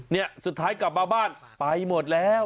เนี่ยสุดท้ายกลับมาบ้านไปหมดแล้ว